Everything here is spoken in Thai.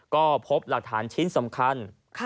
ก็พบหลักฐานชิ้นสำคัญ